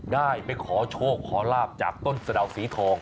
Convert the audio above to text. ได้ไปขอโชคขอลาบจากต้นสะดาวสีทอง